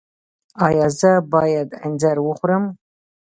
ایا زه باید انځر وخورم؟